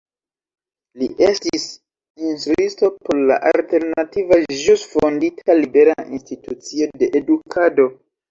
Li estis instruisto por la alternativa ĵus fondita Libera Institucio de Edukado.